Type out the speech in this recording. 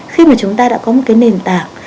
khi mà chúng ta đã có một cái nền tảng